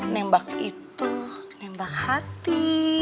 nembak itu nembak hati